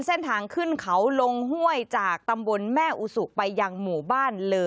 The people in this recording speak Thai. เส้นทางขึ้นเขาลงห้วยจากตำบลแม่อุสุไปยังหมู่บ้านเลอ